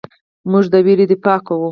موږ د ویرې دفاع کوو.